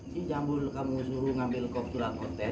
si jambul kamu suruh ngambil kop surat konten